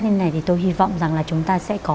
như thế này thì tôi hy vọng là chúng ta sẽ có